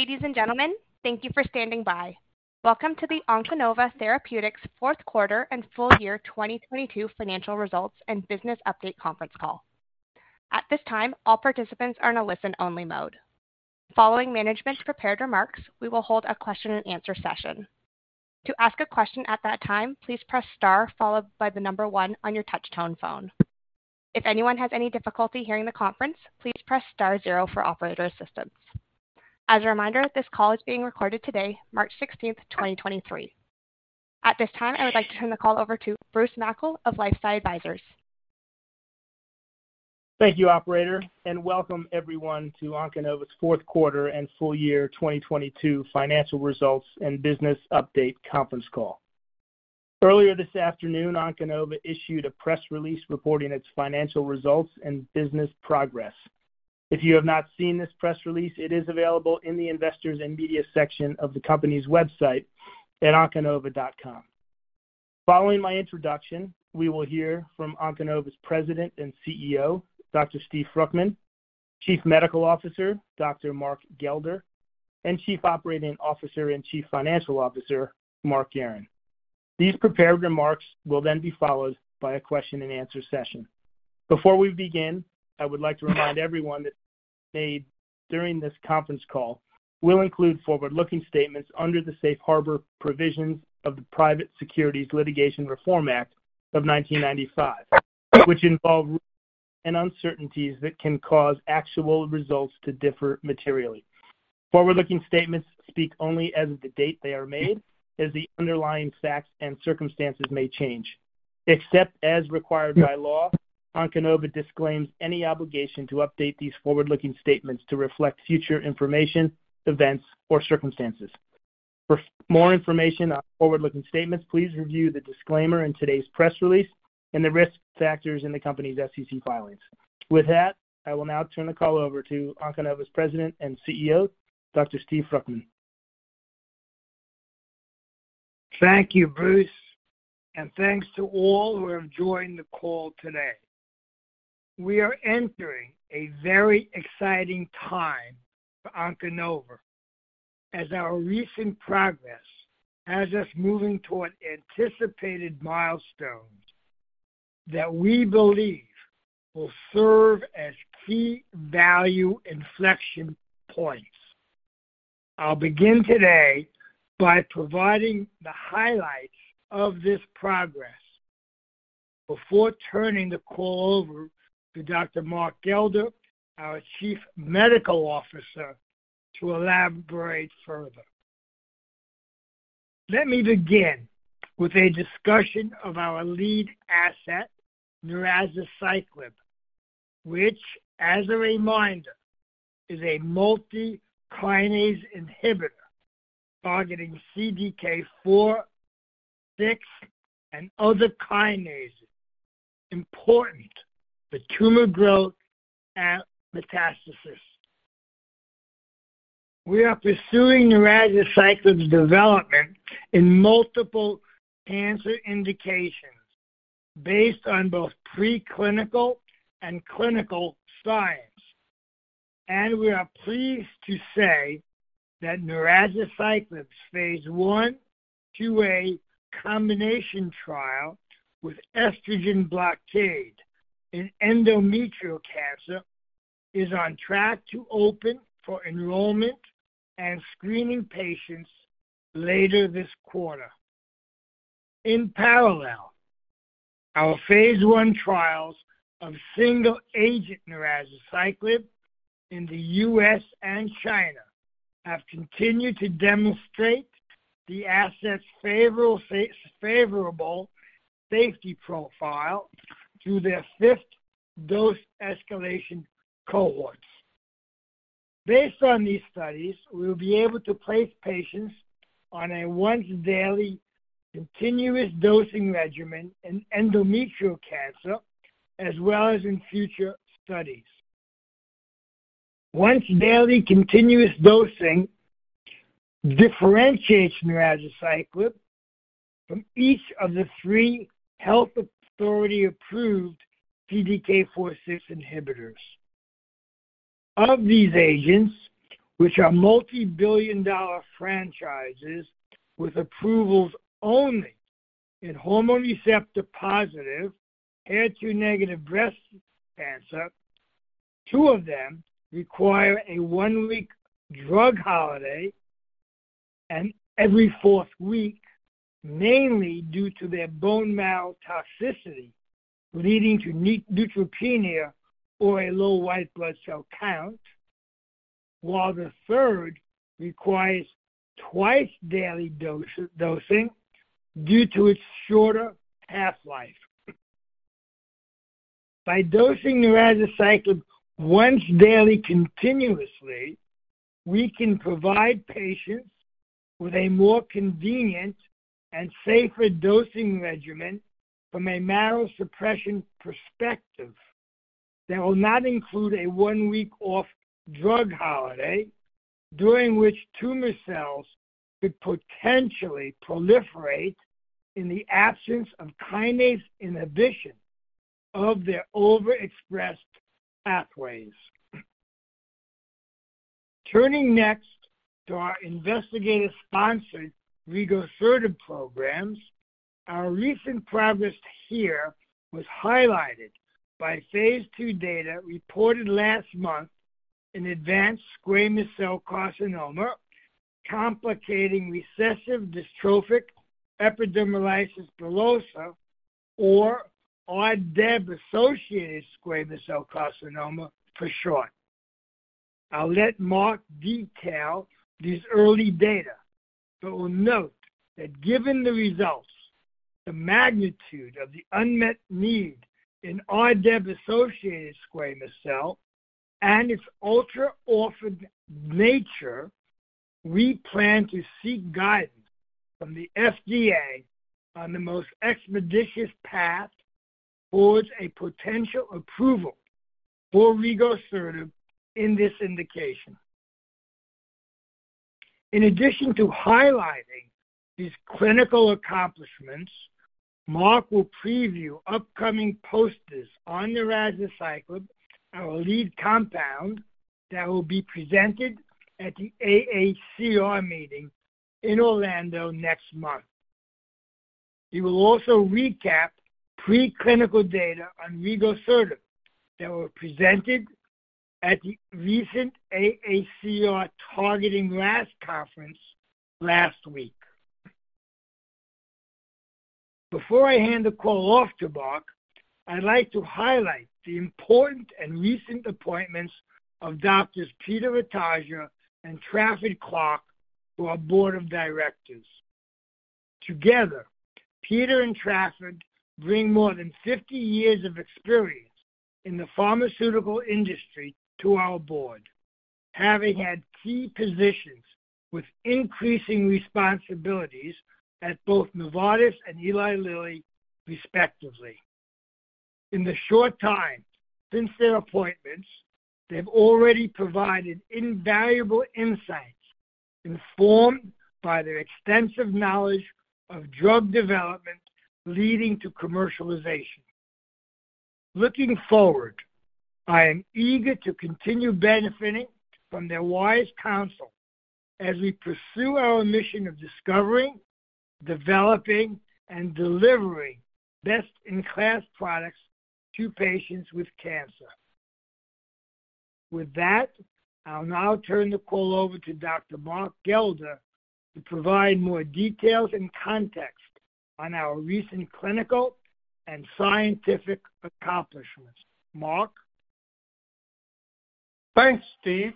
Ladies and gentlemen, thank you for standing by. Welcome to the Onconova Therapeutics fourth quarter and full year 2022 financial results and business update conference call. At this time, all participants are in a listen-only mode. Following management's prepared remarks, we will hold a question and answer session. To ask a question at that time, please press star followed by 1 on your touch tone phone. If anyone has any difficulty hearing the conference, please press star 0 for operator assistance. As a reminder, this call is being recorded today, March 16th, 2023. At this time, I would like to turn the call over to Bruce Mackle of LifeSci Advisors. Thank you, operator, and welcome everyone to Onconova's fourth quarter and full year 2022 financial results and business update conference call. Earlier this afternoon, Onconova issued a press release reporting its financial results and business progress. If you have not seen this press release, it is available in the Investors and Media section of the company's website at onconova.com. Following my introduction, we will hear from Onconova's President and CEO, Dr. Steve Fruchtman, Chief Medical Officer, Dr. Mark Gelder, and Chief Operating Officer and Chief Financial Officer, Mark Guerin. These prepared remarks will then be followed by a question-and-answer session. Before we begin, I would like to remind everyone that made during this conference call will include forward-looking statements under the safe harbor provisions of the Private Securities Litigation Reform Act of 1995, which involve risks and uncertainties that can cause actual results to differ materially. Forward-looking statements speak only as of the date they are made as the underlying facts and circumstances may change. Except as required by law, Onconova disclaims any obligation to update these forward-looking statements to reflect future information, events, or circumstances. For more information on forward-looking statements, please review the disclaimer in today's press release and the risk factors in the company's SEC filings. With that, I will now turn the call over to Onconova's President and CEO, Dr. Steve Fruchtman. Thank you, Bruce. Thanks to all who have joined the call today. We are entering a very exciting time for Onconova as our recent progress has us moving toward anticipated milestones that we believe will serve as key value inflection points. I'll begin today by providing the highlights of this progress before turning the call over to Dr. Mark Gelder, our Chief Medical Officer, to elaborate further. Let me begin with a discussion of our lead asset, narazaciclib, which, as a reminder, is a multi-kinase inhibitor targeting CDK4/6 and other kinases important for tumor growth and metastasis. We are pursuing narazaciclib's development in multiple cancer indications based on both preclinical and clinical science. We are pleased to say that narazaciclib's phase 1/2a combination trial with estrogen blockade in endometrial cancer is on track to open for enrollment and screening patients later this quarter. In parallel, our phase 1 trials of single-agent narazaciclib in the U.S. and China have continued to demonstrate the asset's favorable safety profile through their 5th dose escalation cohorts. Based on these studies, we'll be able to place patients on a once daily continuous dosing regimen in endometrial cancer as well as in future studies. Once daily continuous dosing differentiates narazaciclib from each of the 3 health authority-approved CDK4/6 inhibitors. Of these agents, which are multi-billion dollar franchises with approvals only in hormone receptor-positive, HER2-negative breast cancer, 2 of them require a 1-week drug holiday and every 4th week, mainly due to their bone marrow toxicity leading to neutropenia or a low white blood cell count, while the 3rd requires twice-daily dosing due to its shorter half-life. By dosing narazaciclib once daily continuously, we can provide patients with a more convenient and safer dosing regimen from a marrow suppression perspective that will not include a one-week off drug holiday, during which tumor cells could potentially proliferate in the absence of kinase inhibition of their overexpressed pathways. Turning next to our investigator-sponsored rigosertib programs, our recent progress here was highlighted by phase II data reported last month in advanced squamous cell carcinoma complicating Recessive Dystrophic Epidermolysis Bullosa, or RDEB-associated squamous cell carcinoma for short. I'll let Mark detail these early data, but will note that given the results, the magnitude of the unmet need in RDEB-associated squamous cell, and its ultra-orphan nature, we plan to seek guidance from the FDA on the most expeditious path towards a potential approval for rigosertib in this indication. In addition to highlighting these clinical accomplishments, Mark will preview upcoming posters on narazaciclib, our lead compound, that will be presented at the AACR meeting in Orlando next month. He will also recap preclinical data on rigosertib that were presented at the recent AACR Targeting RAS Conference last week. Before I hand the call off to Mark, I'd like to highlight the important and recent appointments of Doctors Peter Atadja and Trafford Clarke to our Board of Directors. Together, Peter and Trafford bring more than 50 years of experience in the pharmaceutical industry to our board, having had key positions with increasing responsibilities at both Novartis and Eli Lilly, respectively. In the short time since their appointments, they've already provided invaluable insights informed by their extensive knowledge of drug development leading to commercialization. Looking forward, I am eager to continue benefiting from their wise counsel as we pursue our mission of discovering, developing, and delivering best-in-class products to patients with cancer. With that, I'll now turn the call over to Dr. Mark Gelder to provide more details and context on our recent clinical and scientific accomplishments. Mark? Thanks, Steve.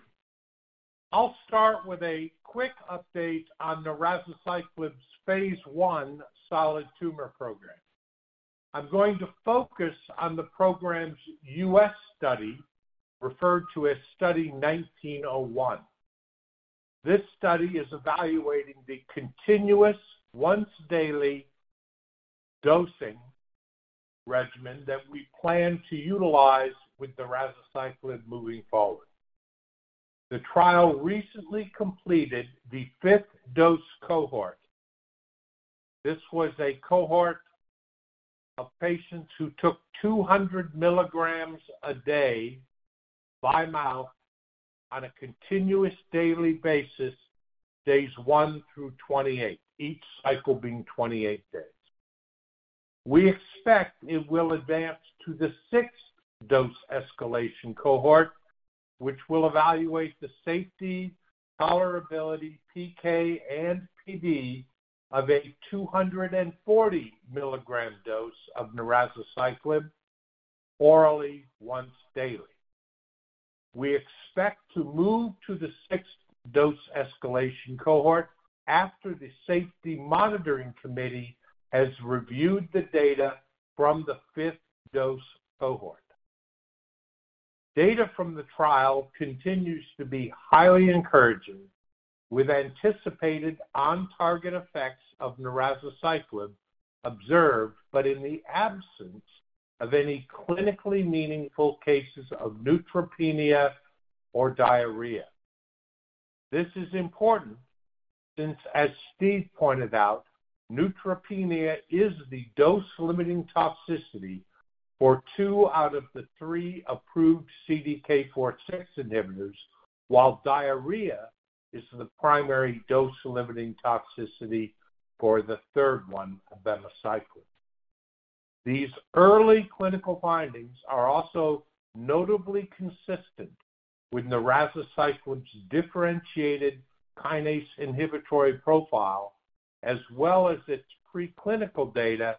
I'll start with a quick update on narazaciclib's phase I solid tumor program. I'm going to focus on the program's U.S. study, referred to as Study 1901. This study is evaluating the continuous once-daily dosing regimen that we plan to utilize with narazaciclib moving forward. The trial recently completed the 5th dose cohort. This was a cohort of patients who took 200 mg a day by mouth on a continuous daily basis, days 1 through 28, each cycle being 28 days. We expect it will advance to the 6th dose escalation cohort, which will evaluate the safety, tolerability, PK, and PD of a 240 mg dose of narazaciclib orally once daily. We expect to move to the 6th dose escalation cohort after the safety monitoring committee has reviewed the data from the 5th dose cohort. Data from the trial continues to be highly encouraging, with anticipated on-target effects of narazaciclib observed, but in the absence of any clinically meaningful cases of neutropenia or diarrhea. This is important since, as Steve pointed out, neutropenia is the dose-limiting toxicity for two out of the three approved CDK4/6 inhibitors, while diarrhea is the primary dose-limiting toxicity for the third one, abemaciclib. These early clinical findings are also notably consistent with narazaciclib's differentiated kinase inhibitory profile as well as its preclinical data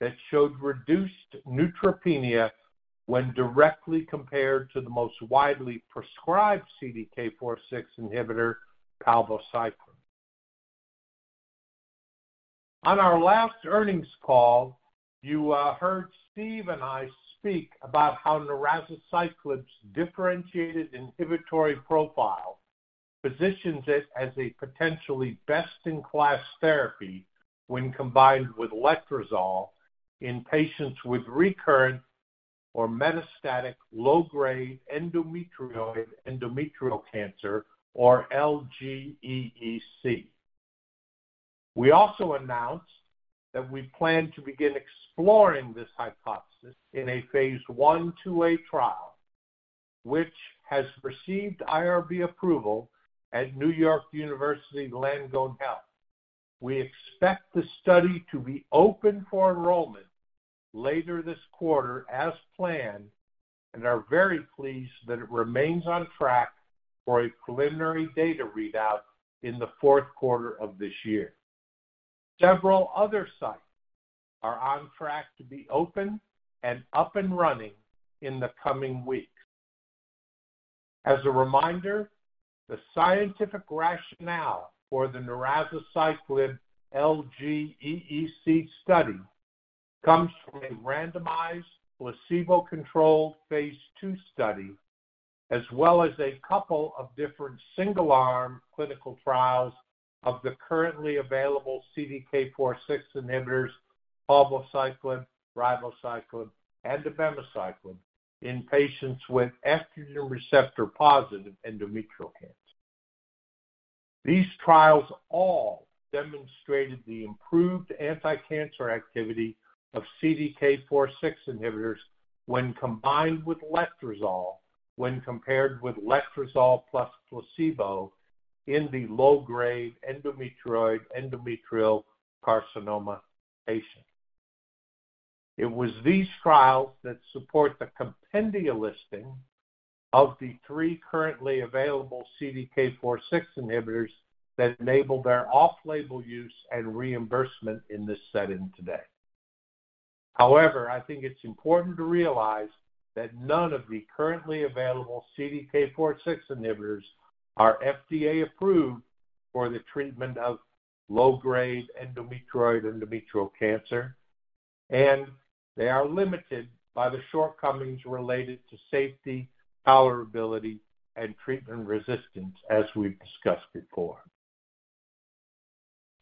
that showed reduced neutropenia when directly compared to the most widely prescribed CDK4/6 inhibitor, palbociclib. On our last earnings call, you heard Steve and I speak about how narazaciclib's differentiated inhibitory profile positions it as a potentially best-in-class therapy when combined with letrozole in patients with recurrent or metastatic Low-Grade Endometrioid Endometrial Cancer, or LGEEC. We also announced that we plan to begin exploring this hypothesis in a phase I, 2a trial, which has received IRB approval at New York University Langone Health. We expect the study to be open for enrollment later this quarter as planned, and are very pleased that it remains on track for a preliminary data readout in the fourth quarter of this year. Several other sites are on track to be open and up and running in the coming weeks. As a reminder, the scientific rationale for the narazaciclib LGEEC study comes from a randomized, placebo-controlled phase II study as well as a couple of different single arm clinical trials of the currently available CDK4/6 inhibitors palbociclib, ribociclib, and abemaciclib in patients with estrogen receptor-positive endometrial cancer. These trials all demonstrated the improved anticancer activity of CDK4/6 inhibitors when combined with letrozole when compared with letrozole plus placebo in the Low-Grade Endometrioid Endometrial Carcinoma patients. It was these trials that support the compendia listing of the three currently available CDK4/6 inhibitors that enable their off-label use and reimbursement in this setting today. I think it's important to realize that none of the currently available CDK4/6 inhibitors are FDA-approved for the treatment of Low-Grade Endometrioid Endometrial Carcinoma, and they are limited by the shortcomings related to safety, tolerability, and treatment resistance, as we've discussed before.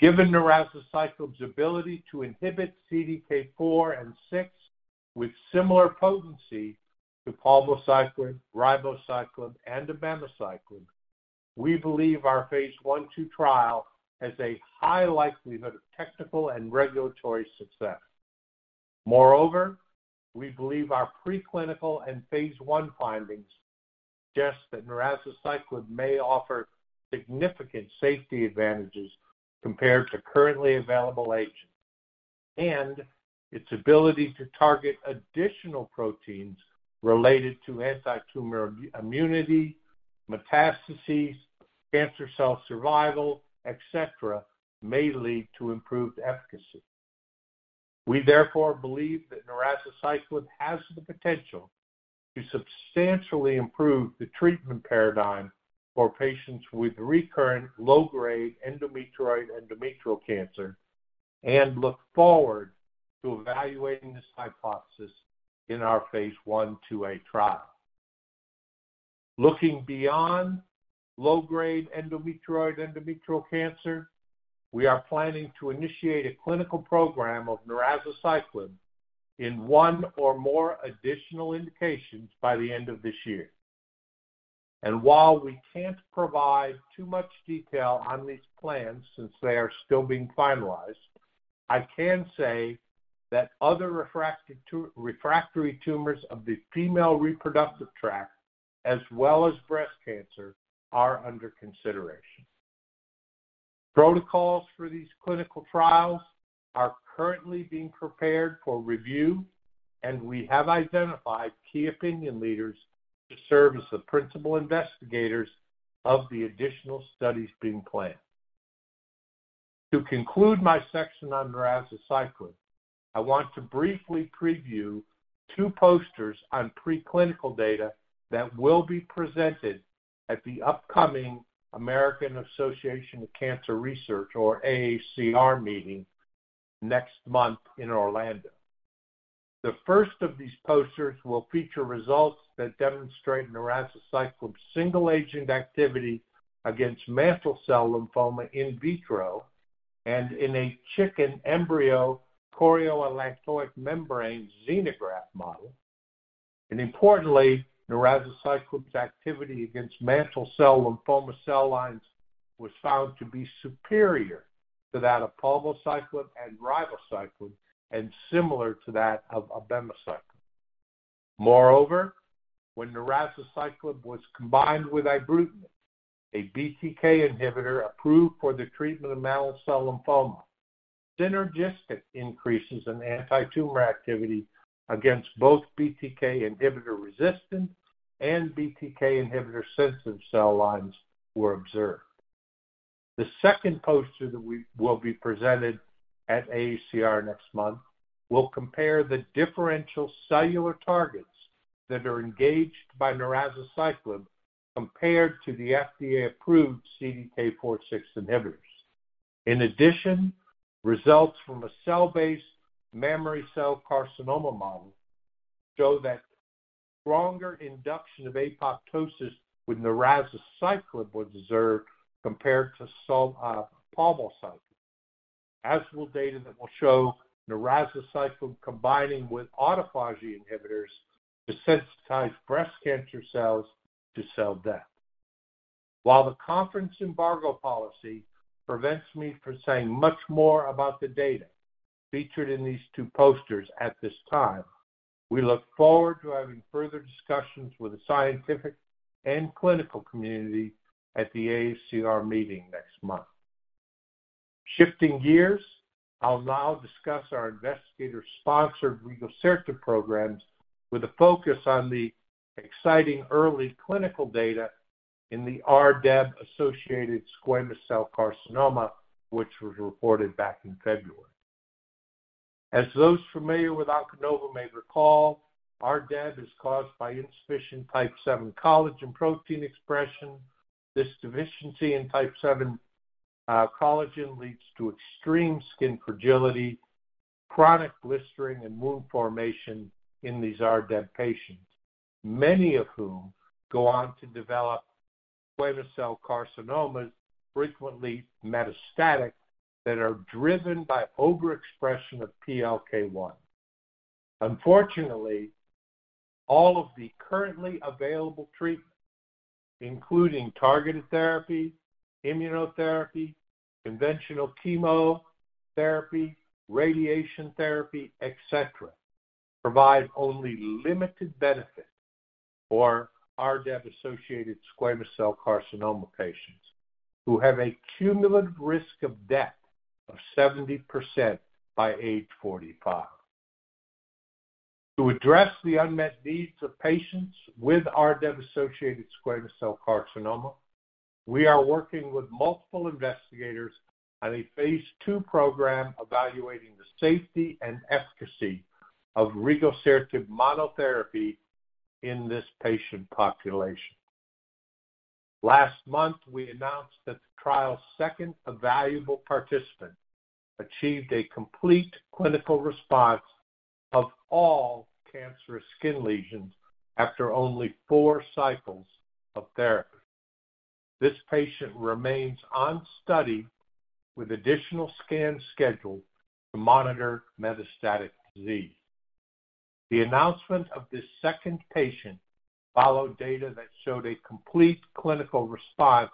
Given narazaciclib's ability to inhibit CDK4/6 with similar potency to palbociclib, ribociclib, and abemaciclib, we believe our phase 1/2 trial has a high likelihood of technical and regulatory success. Moreover, we believe our preclinical and phase 1 findings suggest that narazaciclib may offer significant safety advantages compared to currently available agents. Its ability to target additional proteins related to antitumor immunity, metastases, cancer cell survival, et cetera, may lead to improved efficacy. We therefore believe that narazaciclib has the potential to substantially improve the treatment paradigm for patients with recurrent low-grade endometrioid endometrial cancer and look forward to evaluating this hypothesis in our phase 1/2A trial. Looking beyond low-grade endometrioid endometrial cancer, we are planning to initiate a clinical program of narazaciclib in one or more additional indications by the end of this year. While we can't provide too much detail on these plans since they are still being finalized, I can say that other refractory tumors of the female reproductive tract, as well as breast cancer, are under consideration. Protocols for these clinical trials are currently being prepared for review, and we have identified key opinion leaders to serve as the principal investigators of the additional studies being planned. To conclude my section on narazaciclib, I want to briefly preview two posters on preclinical data that will be presented at the upcoming American Association for Cancer Research, or AACR meeting next month in Orlando. The first of these posters will feature results that demonstrate narazaciclib's single-agent activity against mantle cell lymphoma in vitro and in a chicken embryo chorioallantoic membrane xenograft model. Importantly, narazaciclib's activity against mantle cell lymphoma cell lines was found to be superior to that of palbociclib and ribociclib and similar to that of abemaciclib. When narazaciclib was combined with ibrutinib, a BTK inhibitor approved for the treatment of mantle cell lymphoma, synergistic increases in antitumor activity against both BTK inhibitor-resistant and BTK inhibitor-sensitive cell lines were observed. The second poster that we will be presenting at AACR next month will compare the differential cellular targets that are engaged by narazaciclib compared to the FDA-approved CDK4/6 inhibitors. Results from a cell-based mammary cell carcinoma model show that stronger induction of apoptosis with narazaciclib was observed compared to palbociclib. As will data that will show narazaciclib combining with autophagy inhibitors to sensitize breast cancer cells to cell death. While the conference embargo policy prevents me from saying much more about the data featured in these two posters at this time, we look forward to having further discussions with the scientific and clinical community at the AACR meeting next month. Shifting gears, I'll now discuss our investigator-sponsored rigosertib programs with a focus on the exciting early clinical data in the RDEB-associated squamous cell carcinoma, which was reported back in February. As those familiar with Onconova may recall, RDEB is caused by insufficient type VII collagen protein expression. This deficiency in type VII collagen leads to extreme skin fragility, chronic blistering, and wound formation in these RDEB patients, many of whom go on to develop squamous cell carcinomas, frequently metastatic, that are driven by overexpression of PLK1. Unfortunately, all of the currently available treatments, including targeted therapy, immunotherapy, conventional chemotherapy, radiation therapy, et cetera, provide only limited benefit for RDEB-associated squamous cell carcinoma patients who have a cumulative risk of death of 70% by age 45. To address the unmet needs of patients with RDEB-associated squamous cell carcinoma, we are working with multiple investigators on a phase II program evaluating the safety and efficacy of rigosertib monotherapy in this patient population. Last month, we announced that the trial's second evaluable participant achieved a complete clinical response of all cancerous skin lesions after only 4 cycles of therapy. This patient remains on study with additional scans scheduled to monitor metastatic disease. The announcement of this 2nd patient followed data that showed a complete clinical response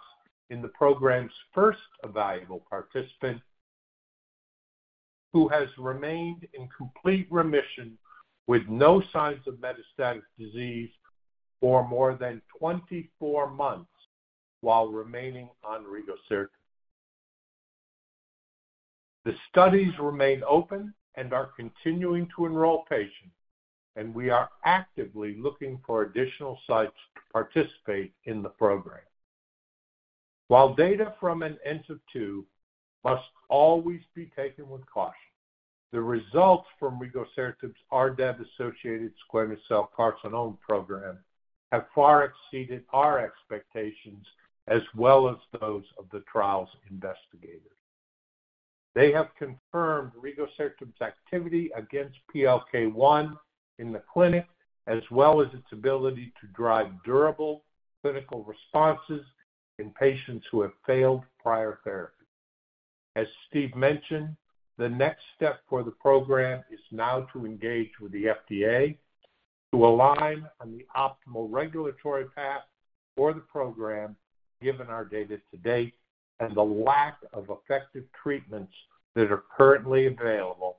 in the program's 1st evaluable participant, who has remained in complete remission with no signs of metastatic disease for more than 24 months while remaining on rigosertib. The studies remain open and are continuing to enroll patients. We are actively looking for additional sites to participate in the program. While data from an N of 2 must always be taken with caution, the results from rigosertib's RDEB-associated squamous cell carcinoma program have far exceeded our expectations as well as those of the trial's investigators. They have confirmed rigosertib's activity against PLK1 in the clinic, as well as its ability to drive durable clinical responses in patients who have failed prior therapy. As Steve mentioned, the next step for the program is now to engage with the FDA to align on the optimal regulatory path for the program given our data to date and the lack of effective treatments that are currently available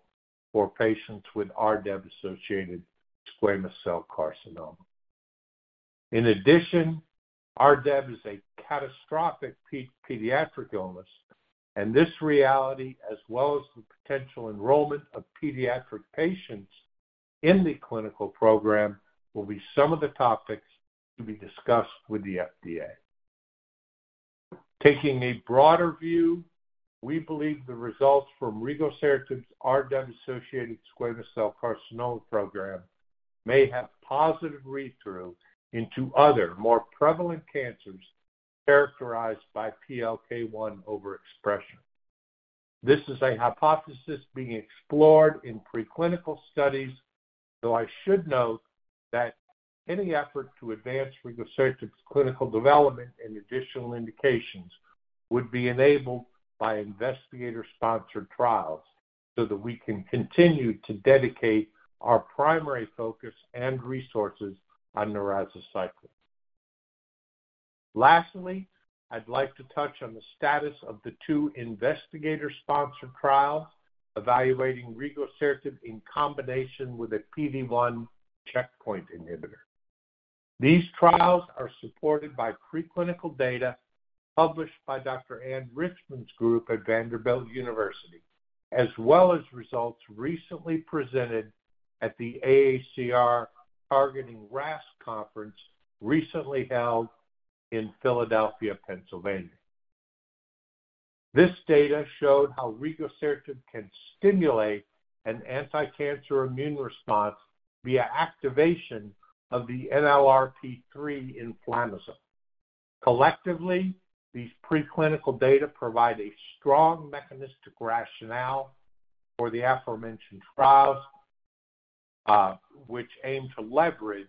for patients with RDEB-associated squamous cell carcinoma. In addition, RDEB is a catastrophic pediatric illness, and this reality, as well as the potential enrollment of pediatric patients in the clinical program, will be some of the topics to be discussed with the FDA. Taking a broader view, we believe the results from rigosertib's RDEB-associated squamous cell carcinoma program may have positive read-through into other more prevalent cancers characterized by PLK1 overexpression. This is a hypothesis being explored in preclinical studies, though I should note that any effort to advance rigosertib's clinical development in additional indications would be enabled by investigator-sponsored trials so that we can continue to dedicate our primary focus and resources on narazaciclib. Lastly, I'd like to touch on the status of the two investigator-sponsored trials evaluating rigosertib in combination with a PD-1 checkpoint inhibitor. These trials are supported by preclinical data published by Dr. Ann Richmond's group at Vanderbilt University, as well as results recently presented at the AACR Targeting RAS conference recently held in Philadelphia, Pennsylvania. This data showed how rigosertib can stimulate an anticancer immune response via activation of the NLRP3 inflammasome. Collectively, these preclinical data provide a strong mechanistic rationale for the aforementioned trials, which aim to leverage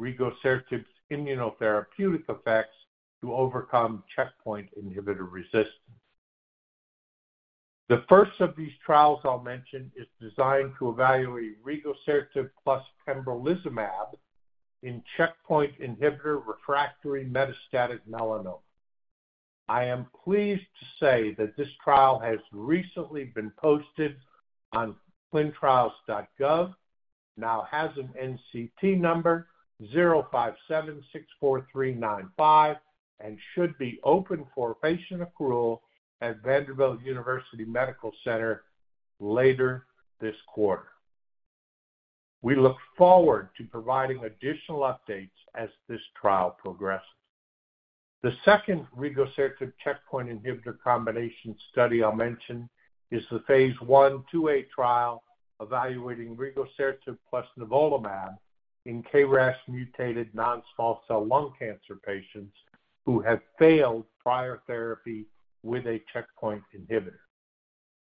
rigosertib's immunotherapeutic effects to overcome checkpoint inhibitor resistance. The first of these trials I'll mention is designed to evaluate rigosertib plus pembrolizumab in checkpoint inhibitor refractory metastatic melanoma. I am pleased to say that this trial has recently been posted on ClinicalTrials.gov, now has an NCT05764395, and should be open for patient accrual at Vanderbilt University Medical Center later this quarter. We look forward to providing additional updates as this trial progresses. The second rigosertib checkpoint inhibitor combination study I'll mention is the phase 1/2a trial evaluating rigosertib plus nivolumab in KRAS-mutated non-small cell lung cancer patients who have failed prior therapy with a checkpoint inhibitor.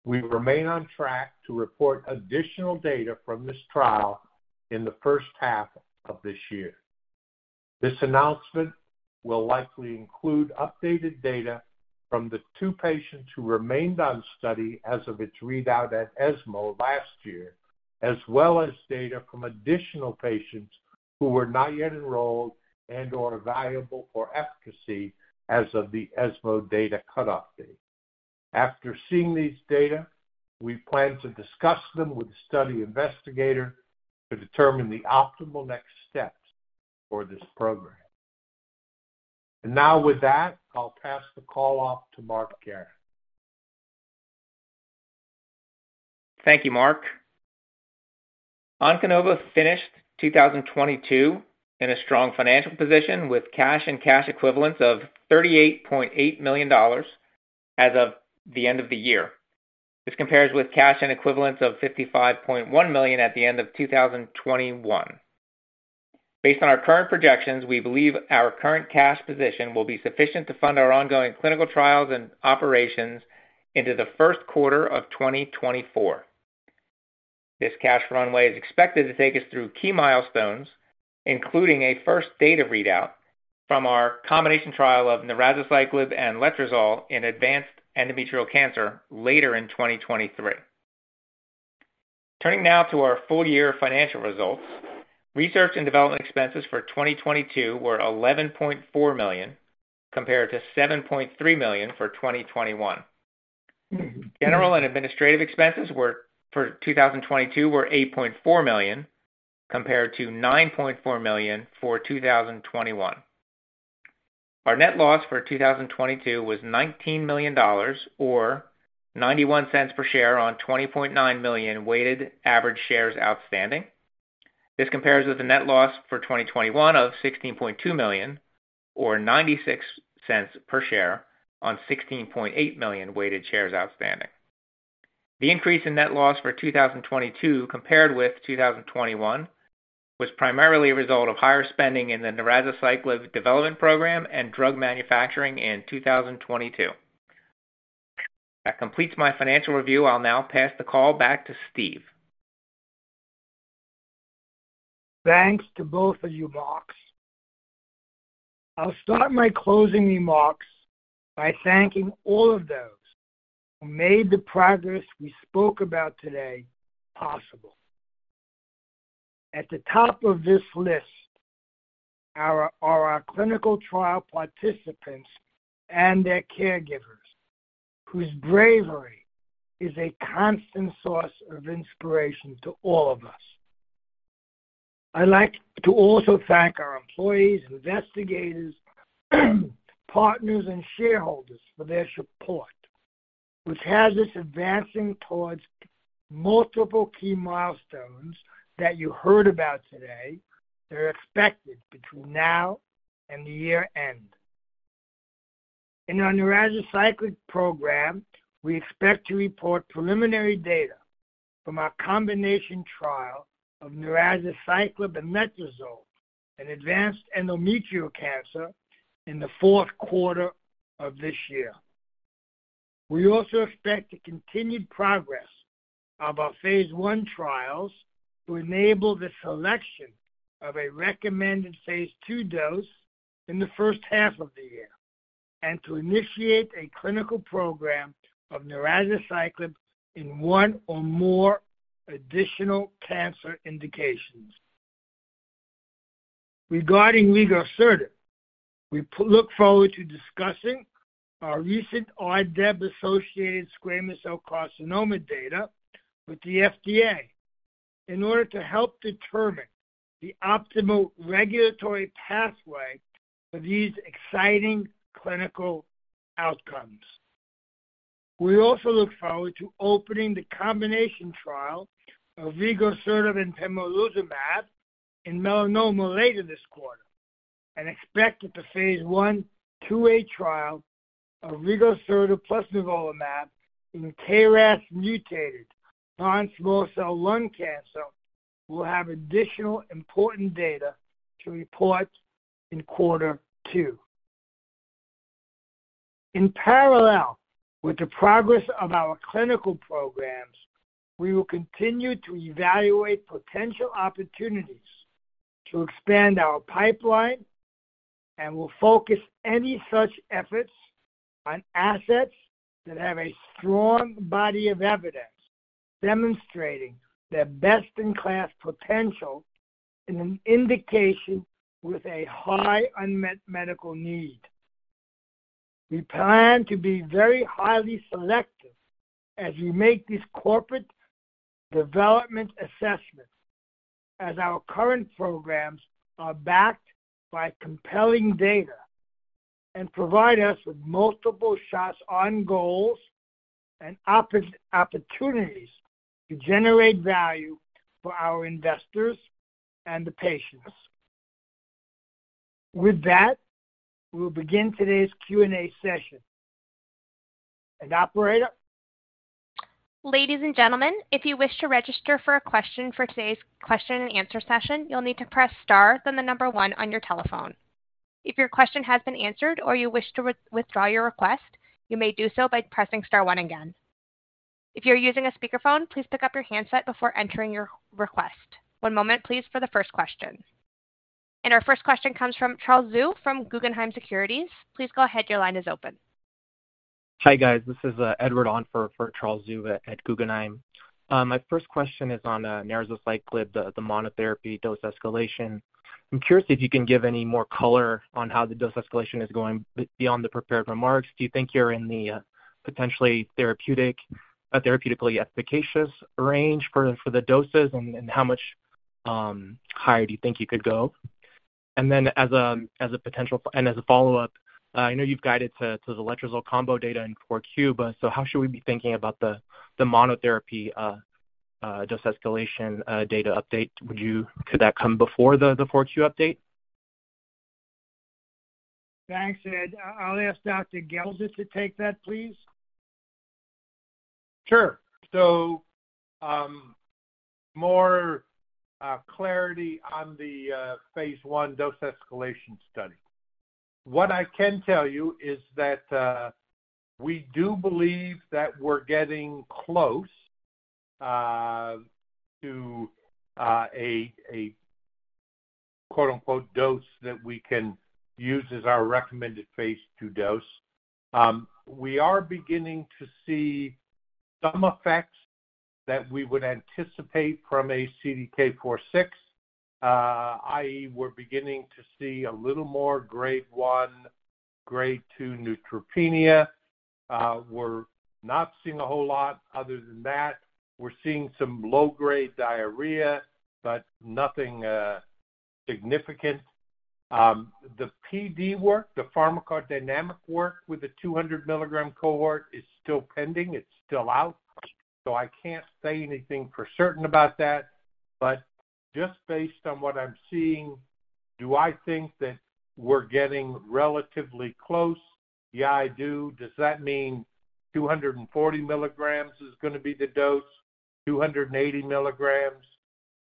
We remain on track to report additional data from this trial in the first half of this year. This announcement will likely include updated data from the two patients who remained on study as of its readout at ESMO last year, as well as data from additional patients who were not yet enrolled and or evaluable for efficacy as of the ESMO data cutoff date. After seeing these data, we plan to discuss them with the study investigator to determine the optimal next steps for this program. Now with that, I'll pass the call off to Mark Guerin. Thank you, Mark. Onconova finished 2022 in a strong financial position with cash and cash equivalents of $38.8 million as of the end of the year. This compares with cash and equivalents of $55.1 million at the end of 2021. Based on our current projections, we believe our current cash position will be sufficient to fund our ongoing clinical trials and operations into the first quarter of 2024. This cash runway is expected to take us through key milestones, including a first data readout from our combination trial of narazaciclib and letrozole in advanced endometrial cancer later in 2023. Turning now to our full year financial results, research and development expenses for 2022 were $11.4 million, compared to $7.3 million for 2021. General and administrative expenses for 2022 were $8.4 million, compared to $9.4 million for 2021. Our net loss for 2022 was $19 million or $0.91 per share on 20.9 million weighted average shares outstanding. This compares with the net loss for 2021 of $16.2 million, or $0.96 per share on 16.8 million weighted shares outstanding. The increase in net loss for 2022 compared with 2021 was primarily a result of higher spending in the narazaciclib development program and drug manufacturing in 2022. That completes my financial review. I'll now pass the call back to Steve. Thanks to both of you Marks. I'll start my closing remarks by thanking all of those who made the progress we spoke about today possible. At the top of this list are our clinical trial participants and their caregivers, whose bravery is a constant source of inspiration to all of us. I'd like to also thank our employees, investigators, partners and shareholders for their support, which has us advancing towards multiple key milestones that you heard about today that are expected between now and the year-end. In our narazaciclib program, we expect to report preliminary data from our combination trial of narazaciclib and letrozole in advanced endometrial cancer in the fourth quarter of this year. We also expect the continued progress of our phase I trials to enable the selection of a recommended phase II dose in the first half of the year, and to initiate a clinical program of narazaciclib in one or more additional cancer indications. Regarding rigosertib, we look forward to discussing our recent RDEB associated squamous cell carcinoma data with the FDA in order to help determine the optimal regulatory pathway for these exciting clinical outcomes. We also look forward to opening the combination trial of rigosertib and pembrolizumab in melanoma later this quarter, and expect that the phase 1/2a trial of rigosertib plus nivolumab in KRAS-mutated non-small cell lung cancer will have additional important data to report in quarter 2. In parallel with the progress of our clinical programs, we will continue to evaluate potential opportunities to expand our pipeline. We'll focus any such efforts on assets that have a strong body of evidence demonstrating their best-in-class potential in an indication with a high unmet medical need. We plan to be very highly selective as we make these corporate development assessments, as our current programs are backed by compelling data and provide us with multiple shots on goals and opportunities to generate value for our investors and the patients. With that, we'll begin today's Q&A session. Operator. Ladies and gentlemen, if you wish to register for a question for today's question-and-answer session, you'll need to press star then the number one on your telephone. If your question has been answered or you wish to withdraw your request, you may do so by pressing star one again. If you're using a speakerphone, please pick up your handset before entering your request. One moment please for the first question. Our first question comes from Charles Zhu from Guggenheim Securities. Please go ahead, your line is open. Hi guys, this is Edward on for Charles Zhu at Guggenheim. My first question is on narazaciclib, the monotherapy dose escalation. I'm curious if you can give any more color on how the dose escalation is going beyond the prepared remarks. Do you think you're in the potentially therapeutic, a therapeutically efficacious range for the doses and how much higher do you think you could go? As a follow-up, I know you've guided to the letrozole combo data in 4Q, how should we be thinking about the monotherapy dose escalation data update? Could that come before the 4Q update? Thanks, Ed. I'll ask Dr. Gelder to take that, please. Sure. More clarity on the phase I dose escalation study. What I can tell you is that we do believe that we're getting close to a quote-unquote dose that we can use as our recommended phase II dose. We are beginning to see some effects that we would anticipate from a CDK4/6. i.e., we're beginning to see a little more grade 1, grade 2 neutropenia. We're not seeing a whole lot other than that. We're seeing some low-grade diarrhea, but nothing significant. The PD work, the pharmacodynamic work with the 200 mg cohort is still pending. It's still out, so I can't say anything for certain about that. Just based on what I'm seeing, do I think that we're getting relatively close? Yeah, I do. Does that mean 240 mg is gonna be the dose, 280 mg,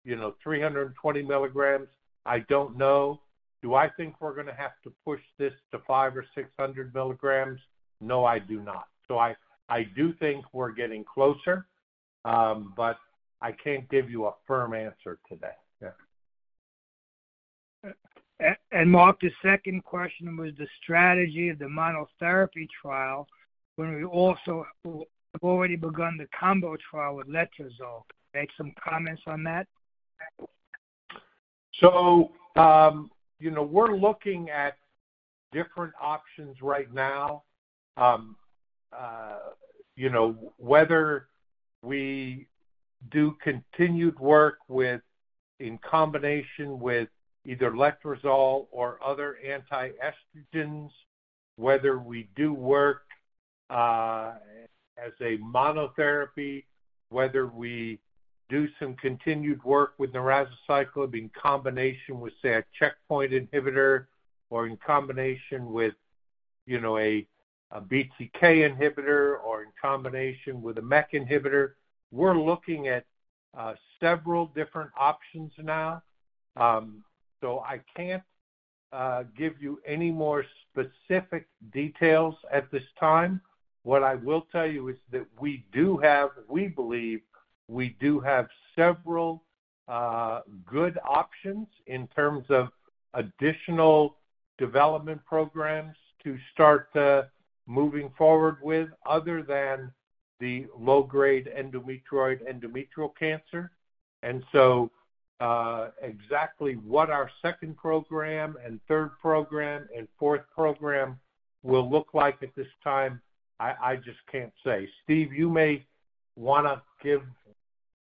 you know, 320 mg? I don't know. Do I think we're gonna have to push this to 500 or 600 mg? No, I do not. I do think we're getting closer, but I can't give you a firm answer to that. Yeah. Mark, the second question was the strategy of the monotherapy trial when we also we've already begun the combo trial with letrozole. Make some comments on that? You know, we're looking at different options right now. You know, whether we do continued work with, in combination with either letrozole or other anti-estrogens, whether we do work, as a monotherapy, whether we do some continued work with narazaciclib in combination with, say, a checkpoint inhibitor or in combination with, you know, a BTK inhibitor or in combination with a MEK inhibitor. We're looking at several different options now. I can't give you any more specific details at this time. What I will tell you is that we believe we do have several good options in terms of additional development programs to start moving forward with other than the low-grade endometrioid endometrial cancer. Exactly what our second program and third program and fourth program will look like at this time, I just can't say. Steve, you may wanna give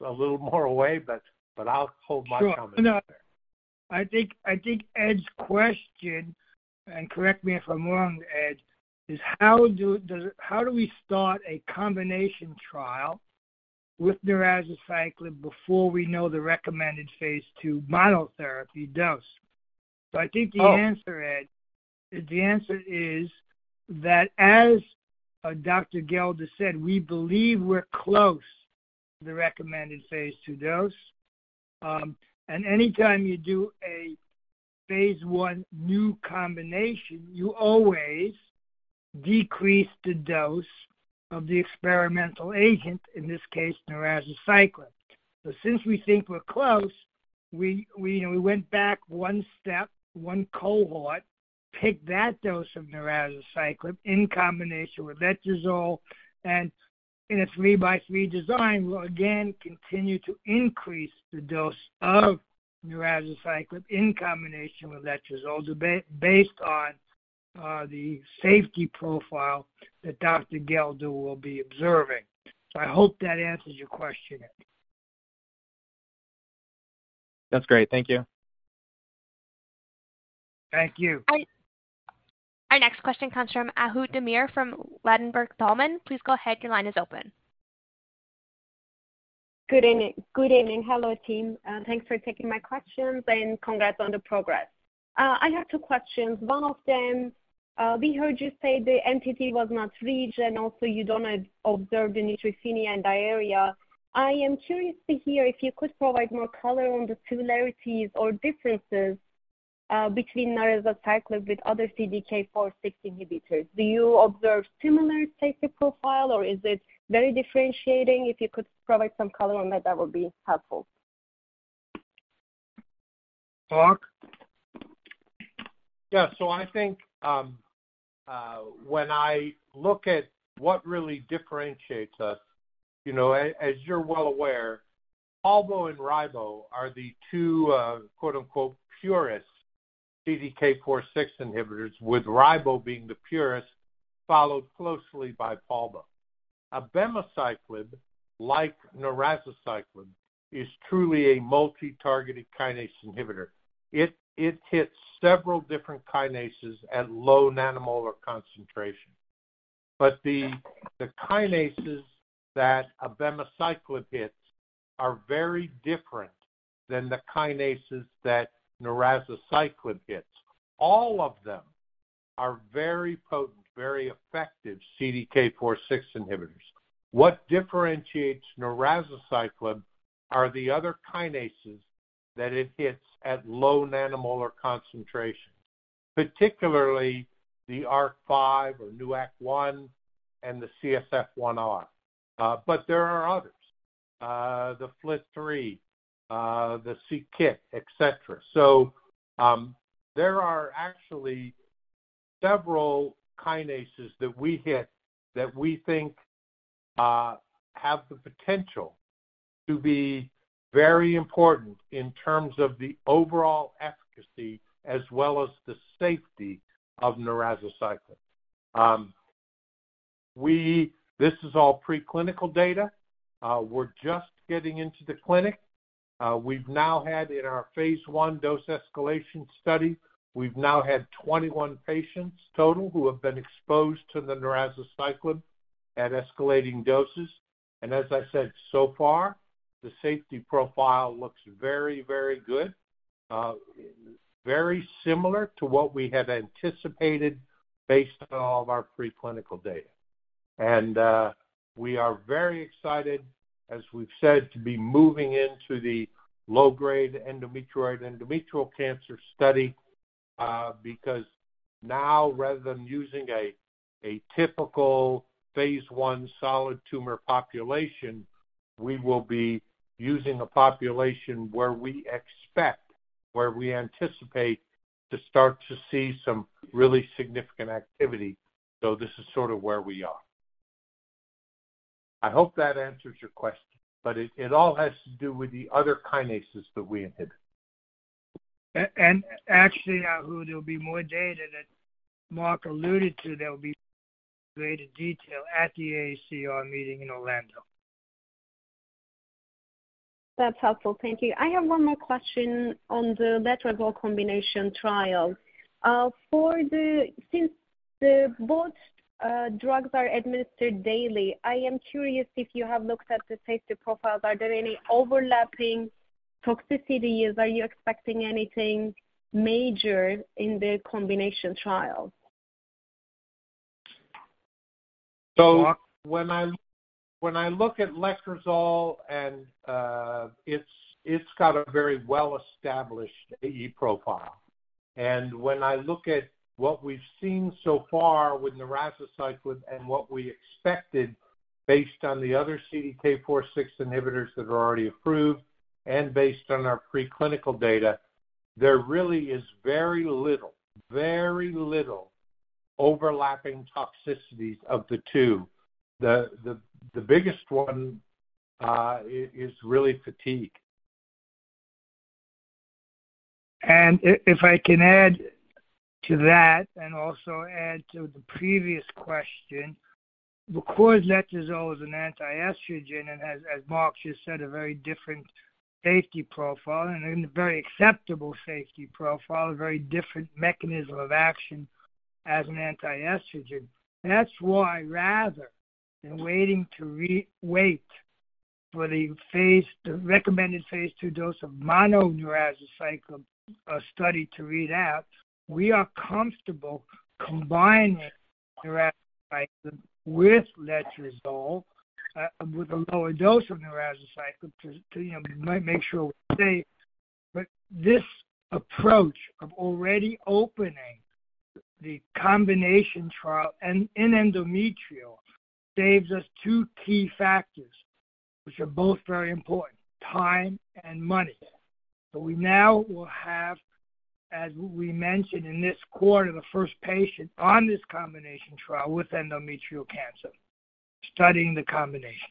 a little more away, but I'll hold my comments there. Sure. No, I think Ed's question, and correct me if I'm wrong, Ed, is How do we start a combination trial with narazaciclib before we know the recommended phase two monotherapy dose? I think the answer- Oh. Ed, the answer is that as Dr. Gelder said, we believe we're close to the recommended phase II dose. Anytime you do a phase I new combination, you always decrease the dose of the experimental agent, in this case, narazaciclib. Since we think we're close, we know, we went back 1 step, 1 cohort, picked that dose of narazaciclib in combination with letrozole, and in a 3-by-3 design, we'll again continue to increase the dose of narazaciclib in combination with letrozole based on the safety profile that Dr. Gelder will be observing. I hope that answers your question. That's great. Thank you. Thank you. Our next question comes from Ahu Demir from Ladenburg Thalmann. Please go ahead. Your line is open. Good evening. Hello, team. Thanks for taking my questions, and congrats on the progress. I have two questions. One of them, we heard you say the entity was not reached, and also you don't observe the neutropenia and diarrhea. I am curious to hear if you could provide more color on the similarities or differences between narazaciclib with other CDK4/6 inhibitors. Do you observe similar safety profile, or is it very differentiating? If you could provide some color on that would be helpful. Mark? Yeah. I think, when I look at what really differentiates us, you know, as you're well aware, palbo and ribo are the two, quote-unquote, "purest" CDK4/6 inhibitors, with ribo being the purest, followed closely by palbo. Abemaciclib, like narazaciclib, is truly a multi-targeted kinase inhibitor. It hits several different kinases at low nanomolar concentration. The kinases that abemaciclib hits are very different than the kinases that narazaciclib hits. All of them are very potent, very effective CDK4/6 inhibitors. What differentiates narazaciclib are the other kinases that it hits at low nanomolar concentration, particularly the ARK5 or NUAK1 and the CSF1R. There are others. The FLT3, the C-KIT, et cetera. There are actually several kinases that we hit that we think have the potential to be very important in terms of the overall efficacy as well as the safety of narazaciclib. This is all preclinical data. We're just getting into the clinic. We've now had in our phase 1 dose escalation study, we've now had 21 patients total who have been exposed to the narazaciclib at escalating doses. As I said, so far, the safety profile looks very, very good, very similar to what we had anticipated based on all of our preclinical data. We are very excited, as we've said, to be moving into the low-grade endometrioid endometrial cancer study, because now rather than using a typical phase I solid tumor population, we will be using a population where we expect, where we anticipate to start to see some really significant activity. This is sort of where we are. I hope that answers your question, but it all has to do with the other kinases that we inhibit. Actually, there'll be more data that Mark alluded to. There'll be greater detail at the AACR meeting in Orlando. That's helpful. Thank you. I have one more question on the letrozole combination trial. Since both drugs are administered daily, I am curious if you have looked at the safety profiles. Are there any overlapping toxicities? Are you expecting anything major in the combination trial? When I look at letrozole and it's got a very well-established AE profile. When I look at what we've seen so far with narazaciclib and what we expected based on the other CDK4/6 inhibitors that are already approved and based on our preclinical data, there really is very little overlapping toxicities of the two. The biggest one is really fatigue. If I can add to that and also add to the previous question, because letrozole is an antiestrogen and as Mark just said, a very different safety profile and a very acceptable safety profile, a very different mechanism of action as an antiestrogen. Rather than waiting to wait for the recommended phase 2 dose of mono narazaciclib study to read out, we are comfortable combining narazaciclib with letrozole with a lower dose of narazaciclib to, you know, make sure we're safe. This approach of already opening the combination trial and in endometrial saves us two key factors, which are both very important, time and money. We now will have, as we mentioned, in this quarter, the first patient on this combination trial with endometrial cancer, studying the combination.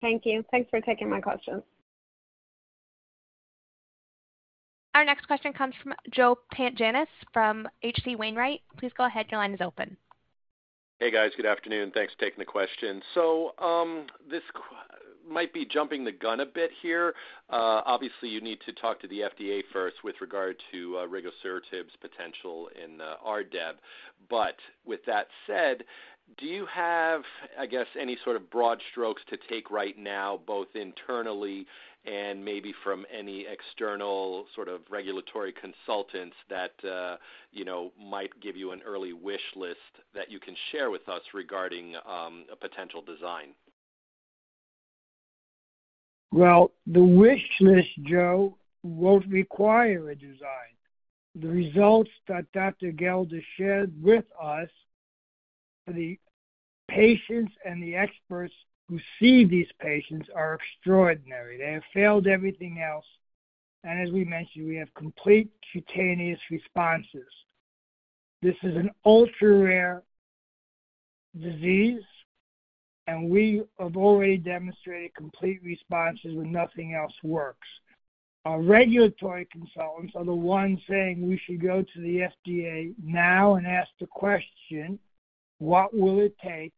Thank you. Thanks for taking my question. Our next question comes from Joe Pantginis from H.C. Wainwright. Please go ahead. Your line is open. Hey, guys. Good afternoon. Thanks for taking the question. This might be jumping the gun a bit here. Obviously you need to talk to the FDA first with regard to rigosertib's potential in RDEB. With that said, do you have, I guess, any sort of broad strokes to take right now, both internally and maybe from any external sort of regulatory consultants that, you know, might give you an early wish list that you can share with us regarding a potential design? The wish list, Joe, won't require a design. The results that Dr. Gelder shared with us, the patients and the experts who see these patients are extraordinary. They have failed everything else, and as we mentioned, we have complete cutaneous responses. This is an ultra-rare disease, and we have already demonstrated complete responses when nothing else works. Our regulatory consultants are the ones saying we should go to the FDA now and ask the question, what will it take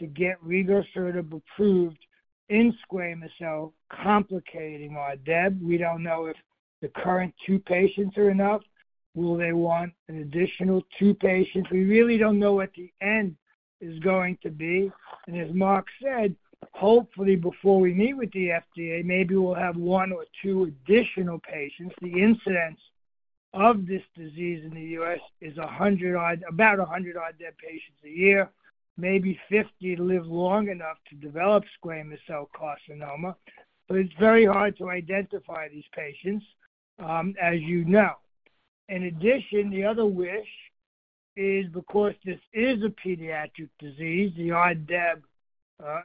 to get rigosertib approved in squamous cell complicating RDEB? We don't know if the current two patients are enough. Will they want an additional two patients? We really don't know what the end is going to be. As Mark said, hopefully before we meet with the FDA, maybe we'll have one or two additional patients. The incidence of this disease in the U.S. is 100 odd, about 100 RDEB patients a year. Maybe 50 live long enough to develop squamous cell carcinoma, but it's very hard to identify these patients, as you know. In addition, the other wish is because this is a pediatric disease, the RDEB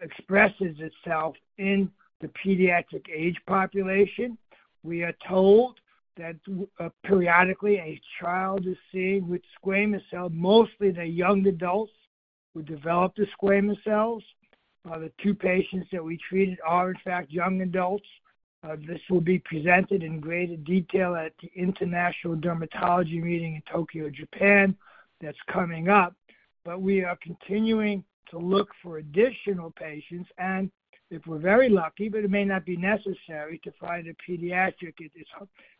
expresses itself in the pediatric age population. We are told that periodically, a child is seen with squamous cell, mostly the young adults who develop the squamous cells. The two patients that we treated are in fact young adults. This will be presented in greater detail at the International Societies for Investigative Dermatology (ISID) Meeting in Tokyo, Japan, that's coming up. We are continuing to look for additional patients and if we're very lucky, but it may not be necessary to find a pediatric... It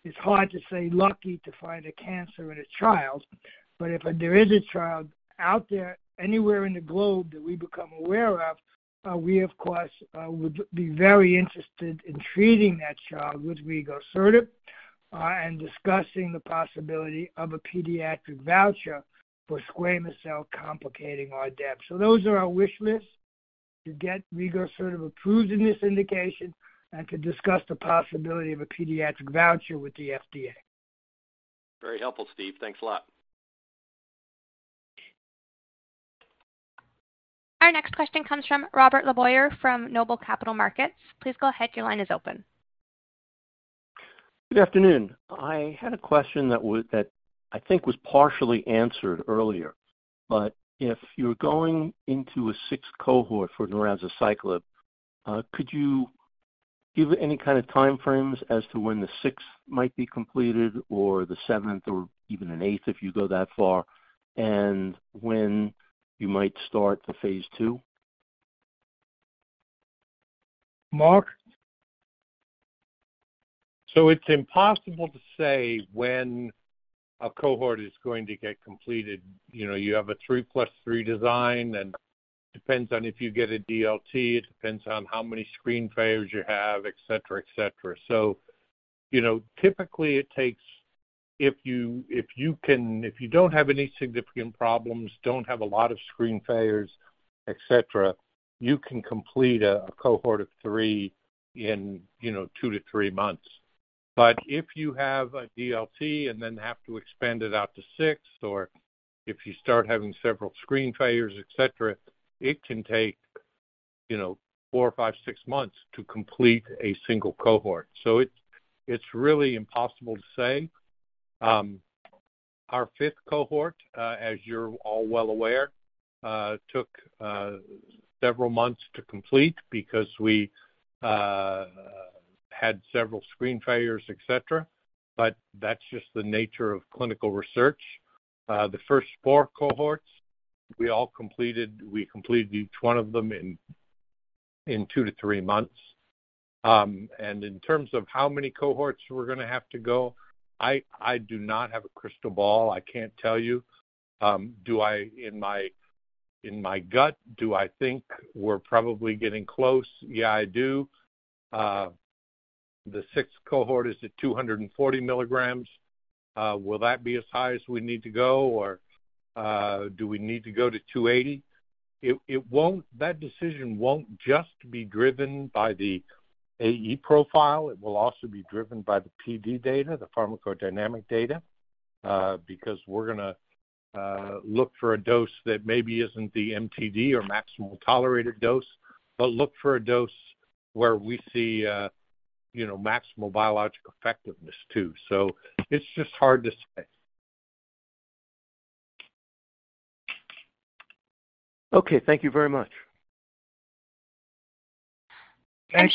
is hard to say lucky to find a cancer in a child, but if there is a child out there anywhere in the globe that we become aware of, we of course would be very interested in treating that child with rigosertib, and discussing the possibility of a pediatric voucher for squamous cell complicating RDEB. Those are our wish lists, to get rigosertib approved in this indication and to discuss the possibility of a pediatric voucher with the FDA. Very helpful, Steve. Thanks a lot. Our next question comes from Robert LeBoyer from Noble Capital Markets. Please go ahead. Your line is open. Good afternoon. I had a question that I think was partially answered earlier. If you're going into a sixth cohort for narazaciclib, could you give any kinda time frames as to when the sixth might be completed or the seventh or even an eighth, if you go that far, and when you might start the phase II? Mark? It's impossible to say when a cohort is going to get completed. You know, you have a 3 plus 3 design, and it depends on if you get a DLT, it depends on how many screen failures you have, et cetera, et cetera. You know, typically it takes, if you don't have any significant problems, don't have a lot of screen failures, et cetera, you can complete a cohort of 3 in, you know, 2-3 months. If you have a DLT and then have to expand it out to 6, or if you start having several screen failures, et cetera, it can take, you know, 4, 5, 6 months to complete a single cohort. It's really impossible to say. Our 5th cohort, as you're all well aware, took several months to complete because we had several screen failures, et cetera. That's just the nature of clinical research. The first 4 cohorts, we all completed. We completed each one of them in 2 to 3 months. In terms of how many cohorts we're gonna have to go, I do not have a crystal ball. I can't tell you. Do I, in my gut, do I think we're probably getting close? Yeah, I do. The 6th cohort is at 240 mg. Will that be as high as we need to go, or do we need to go to 280? That decision won't just be driven by the AE profile. It will also be driven by the PD data, the pharmacodynamic data, because we're gonna look for a dose that maybe isn't the MTD or maximal tolerated dose, but look for a dose where we see, you know, maximal biological effectiveness too. It's just hard to say. Okay. Thank you very much. Thank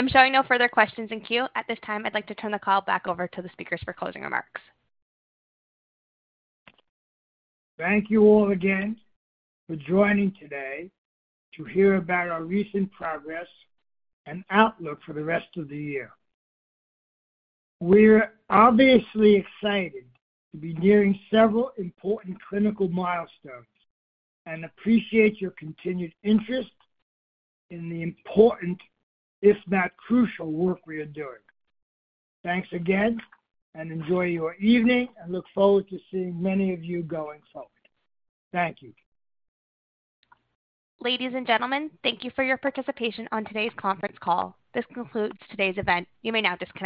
you. I'm showing no further questions in queue. At this time, I'd like to turn the call back over to the speakers for closing remarks. Thank you all again for joining today to hear about our recent progress and outlook for the rest of the year. We're obviously excited to be nearing several important clinical milestones and appreciate your continued interest in the important, if not crucial, work we are doing. Thanks again, enjoy your evening and look forward to seeing many of you going forward. Thank you. Ladies and gentlemen, thank you for your participation on today's conference call. This concludes today's event. You may now disconnect.